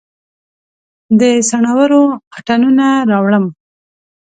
د څنورو اتڼوڼه راوړم